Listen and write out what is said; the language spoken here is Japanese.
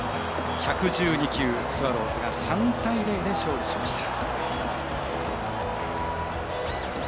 １１２球、スワローズが３対０で勝利しました。